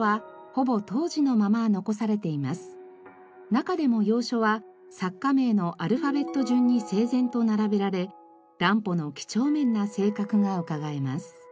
中でも洋書は作家名のアルファベット順に整然と並べられ乱歩の几帳面な性格が伺えます。